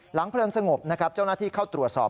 เพลิงสงบนะครับเจ้าหน้าที่เข้าตรวจสอบ